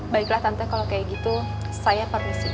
baiklah tante kalau kayak gitu saya permisi dulu